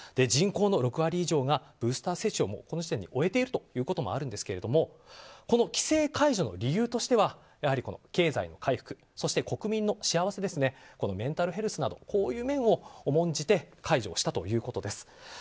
人口の６割以上がブースター接種を終えているということもあるんですがこの規制解除の理由としては経済の回復そして、国民の幸せですねメンタルヘルスなどこういう面を重んじて解除をしたということです。